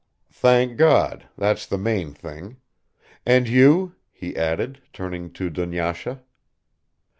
"Thank God, that's the main thing. And you?" he added, turning to Dunyasha.